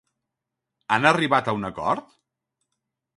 Han arribat a un acord?